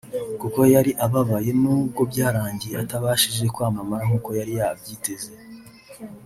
kuko yari ababaye n’ubwo byarangiye atabashije kwamamara nk’uko yari abyiteze